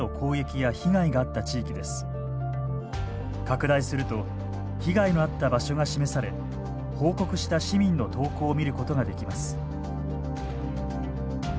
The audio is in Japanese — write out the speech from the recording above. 拡大すると被害のあった場所が示され報告した市民の投稿を見ることができます。